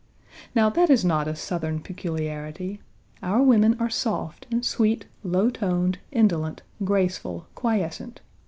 Now that is not a Southern peculiarity. Our women are soft, and sweet, low toned, indolent, graceful, quiescent.